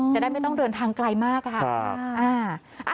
จะได้ไม่ต้องเดินทางไกลมากค่ะ